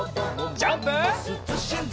ジャンプ！